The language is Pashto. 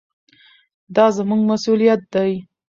دا زموږ مسؤلیت دی.